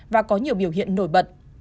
và có nhiều biểu hiện nổi bật